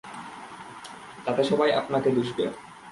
তাতে সবাই আপনাকে দুষবে।